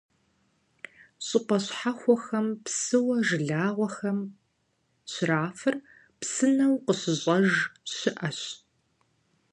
ЩӀыпӀэ щхьэхуэхэм псыуэ жылагъуэхэм щрафыр псынэу къыщьӀщӀэж щыӀэщ.